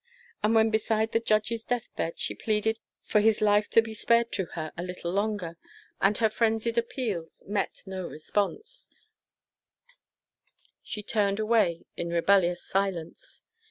But when beside the judge's death bed she pleaded for his life to be spared to her a little longer, and her frenzied appeals met no response, she turned away in rebellious silence.